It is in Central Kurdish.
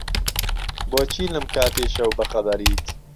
بۆچی لەم کاتەی شەو بەخەبەریت؟